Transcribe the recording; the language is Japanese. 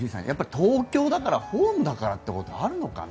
東京だからホームだからっていうのはあるのかな。